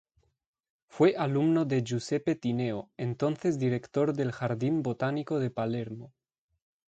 Fue alumno de Giuseppe Tineo, entonces director del Jardín Botánico de Palermo.